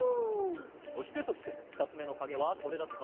そしてそしてふたつめのかげはこれだった。